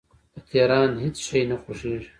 د تهران هیڅ شی نه خوښیږي